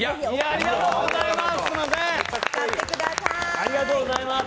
ありがとうございます！